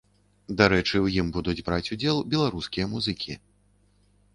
Дарэчы, у ім будуць браць удзел беларускія музыкі.